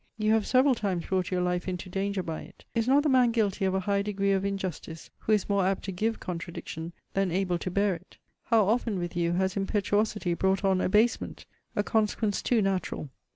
You have several times brought your life into danger by it. Is not the man guilty of a high degree of injustice, who is more apt to give contradiction, than able to bear it? How often, with you, has impetuosity brought on abasement? A consequence too natural.